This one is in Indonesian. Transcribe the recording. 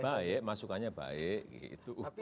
baik masukannya baik gitu